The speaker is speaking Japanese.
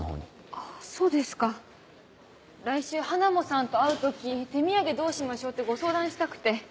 あぁそうですか。来週ハナモさんと会う時手土産どうしましょうってご相談したくて。